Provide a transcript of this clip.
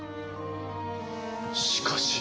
しかし君！